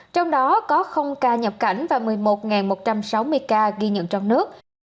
trong đó có ca nhập cảnh và một mươi một một trăm sáu mươi ca ghi nhận trong nước